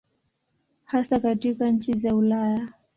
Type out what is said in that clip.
Hasa katika nchi za Ulaya.